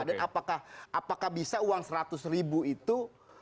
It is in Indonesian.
dan apakah bisa uang seratus ribu itu